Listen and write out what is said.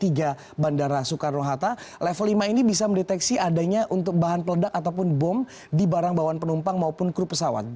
di bandara soekarno hatta level lima ini bisa mendeteksi adanya untuk bahan peledak ataupun bom di barang bawaan penumpang maupun kru pesawat